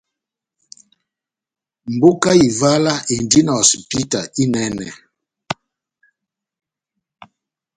Mboka ya Ivala endi na hosipita inɛnɛ.